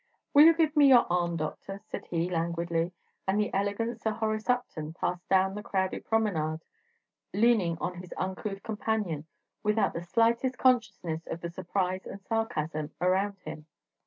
"Will you give me your arm, Doctor?" said he, languidly; and the elegant Sir Horace Upton passed down the crowded promenade, leaning on his uncouth companion, without the slightest consciousness of the surprise and sarcasm around him.